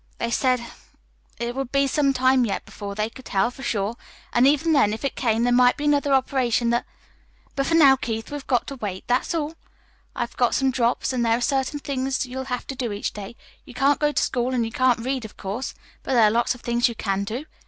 "They said it would be some time yet before they could tell, for sure. And even then, if it came, there might be another operation that But for now, Keith, we've got to wait that's all. I've got some drops, and there are certain things you'll have to do each day. You can't go to school, and you can't read, of course; but there are lots of things you can do.